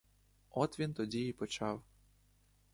От він тоді й почав.